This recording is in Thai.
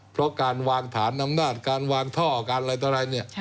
เพราะการวางฐานอำนาจการวางท่อการอะไรต่ออะไรเนี่ย